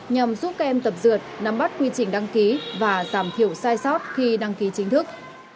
nhằm giúp các em tập dượt nắm bắt quy trình đăng ký và giảm thiểu sai sót khi đăng ký chính thức